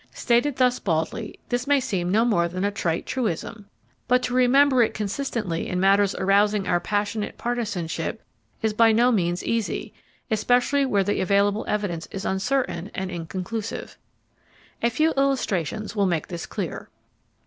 Stated thus baldly, this may seem no more than a trite truism. But to remember it consistently in matters arousing our passionate partisanship is by no means easy, especially where the available evidence is uncertain and inconclusive. A few illustrations will make this clear.